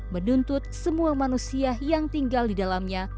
menuntut semua manusia yang tinggal di dalamnya